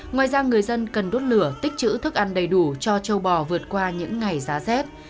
ngoài ra người dân cần đốt lửa tích chữ thức ăn đầy đủ cho châu bò vượt qua những ngày giá rét